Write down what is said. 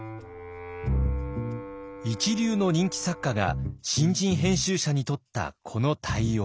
一流の人気作家が新人編集者にとったこの対応。